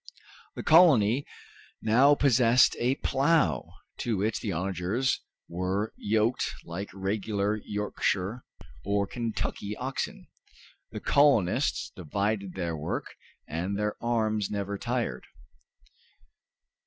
The colony now possessed a plow, to which the onagers were yoked like regular Yorkshire or Kentucky oxen. The colonists divided their work, and their arms never tired.